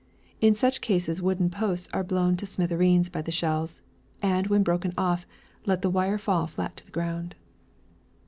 In such cases wooden posts are blown to smithereens by the shells, and when broken off let the wire fall flat to the ground.